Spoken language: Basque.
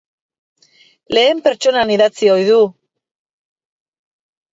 Lehen pertsonan idatzi ohi du.